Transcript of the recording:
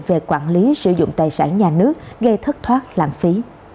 về quản lý sử dụng tài sản nhà nước gây thất thoát lãng phí